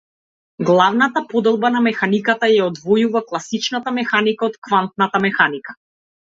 Главната поделба на механиката ја одвојува класичната механика од квантната механика.